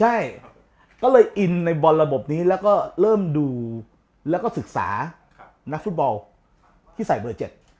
ใช่ก็เลยอินในบอลระบบนี้แล้วก็เริ่มดูแล้วก็ศึกษานักฟุตบอลที่ใส่เบอร์๗